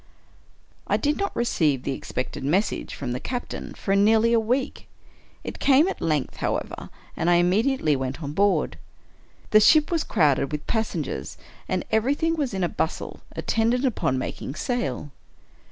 I did not receive the expected message from the captain for nearly a week. It came at length, however, and I im mediately went on board. The ship was crowded with pas sengers, and everything was in a bustle attendant upon making sail.